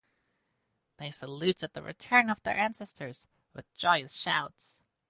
They saluted the return of their ancestor with joyous shouts.